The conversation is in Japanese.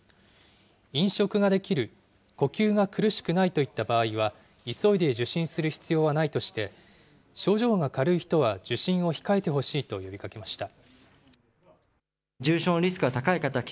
飲食ができる、呼吸が苦しくないといった場合は、急いで受診する必要はないとして、症状が軽い人は受診を控えてほしいと呼びかけました。